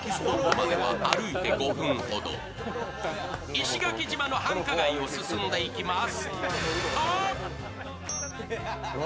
石垣島の繁華街を進んでいきます。